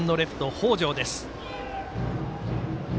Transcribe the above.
北条です。